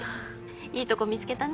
いいとこ見つけたね。